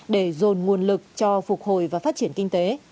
để dồn nguồn lực cho phục hồi và phát triển kinh tế